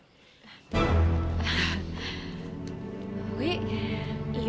dia nunggu desde koneksional